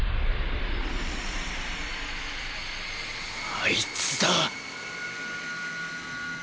あいつだ。